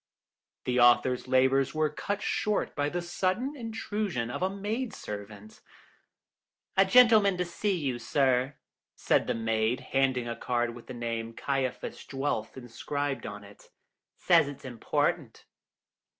The author's labours were cut short by the sudden intrusion of a maidservant. "A gentleman to see you, sir," said the maid, handing a card with the name Caiaphas Dwelf inscribed on it; "says it's important."